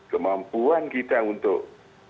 kemampuan kita untuk